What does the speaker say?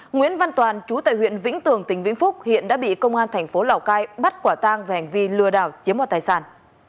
nguyễn văn toàn chú tại huyện vĩnh tường tỉnh vĩnh phúc hiện đã bị công an thành phố lào cai bắt quả tang về hành vi lừa đảo chiếm vào tài sản